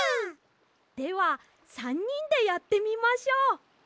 では３にんでやってみましょう！